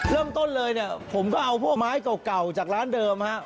เริ่มต้นเลยผมก็เอาพวกไม้เก่าจากร้านเดิมครับ